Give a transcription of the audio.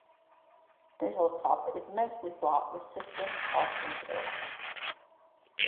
The hilltop is mostly flat, with cisterns carved into the rock.